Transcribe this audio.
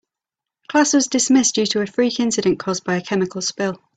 Class was dismissed due to a freak incident caused by a chemical spill.